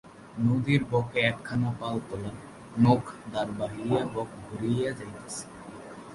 নদীর বঁকে একখানা পাল-তোলা নৌক দাঁড় বাহিয়া বঁক ঘুরিয়া যাইতেছে।